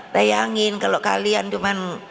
bayangin kalau kalian cuman